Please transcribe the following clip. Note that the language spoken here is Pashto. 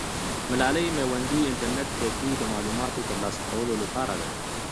ملالۍ میوندي انټرنیټ کیفې د معلوماتو ترلاسه کولو لپاره ده.